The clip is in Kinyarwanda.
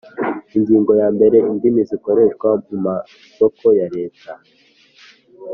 Ingingo ya mbere Indimi zikoreshwa mu masoko ya Leta